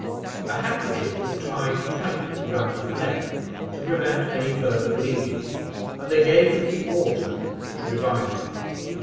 A handkerchief was tied tightly round his leg, to prevent any further bleeding, and they gave him some water, which revived him.